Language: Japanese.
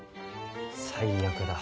最悪だ。